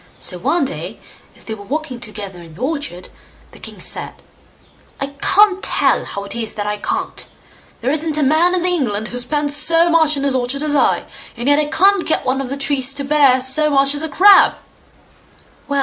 So one day, as they were walking together in the orchard, the king said, "I can't tell how it is that I can't! there isn't a, man in England who spends so much on his orchard as I, and yet I can't get one of the trees to bear so much as a crab." "Well!